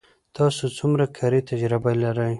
تاسو څومره کاري تجربه لرئ